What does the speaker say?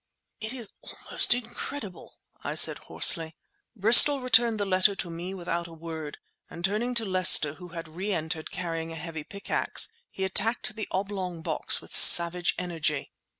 "It is almost incredible!" I said hoarsely. Bristol returned the letter to me without a word, and turning to Lester, who had reentered carrying a heavy pick axe, he attacked the oblong box with savage energy.